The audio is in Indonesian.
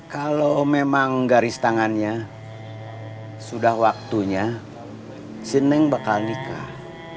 kalau memang garis tangannya sudah waktunya senang bakal nikah